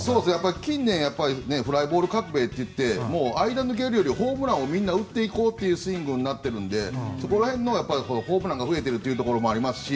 近年フライボール革命でホームランを打っていこうというスイングになってるのでそこら辺のホームランが増えてるということもありますし